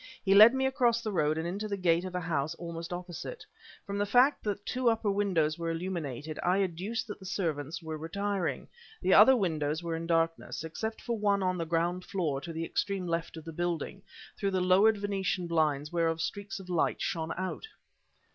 He led me across the road and into the gate of a house almost opposite. From the fact that two upper windows were illuminated, I adduced that the servants were retiring; the other windows were in darkness, except for one on the ground floor to the extreme left of the building, through the lowered venetian blinds whereof streaks of light shone out.